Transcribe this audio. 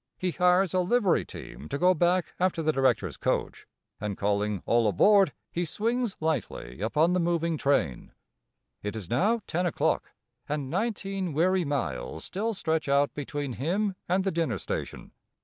He hires a livery team to go back after the directors' coach, and, calling "All aboard," he swings lightly upon the moving train. It is now 10 o'clock, and nineteen weary miles still stretch out between him and the dinner station.